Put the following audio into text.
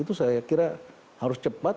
itu saya kira harus cepat